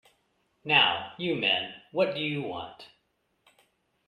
Now, you men, what do you want?